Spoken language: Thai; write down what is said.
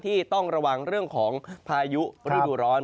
ที่ต้องระวังเรื่องของพายุฤดูร้อน